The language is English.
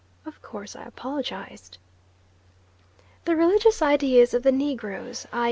Of course I apologised. The religious ideas of the Negroes, i.